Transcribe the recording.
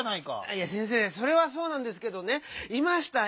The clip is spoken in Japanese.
いや先生それはそうなんですけどね「いました」